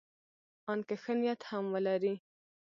ان که ښه نیت هم ولري.